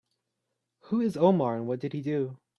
Who is Omar and what did he do?